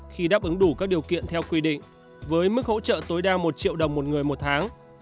khi đáp ứng đủ các điều kiện theo quy định với mức hỗ trợ tối đa một triệu đồng một người một tháng